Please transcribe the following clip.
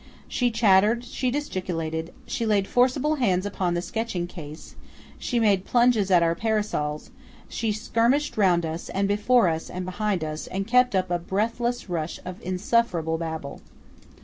She chattered; she gesticulated; she laid forcible hands upon the sketching case; she made plunges at our parasols; she skirmished round us, and before us, and behind us; and kept up a breathless rush of insufferable babble.